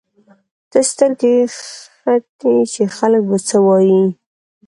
ته سترګې ختې چې خلک به څه وايي.